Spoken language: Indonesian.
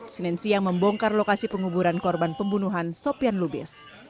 sinensi yang membongkar lokasi penguburan korban pembunuhan sopian lubis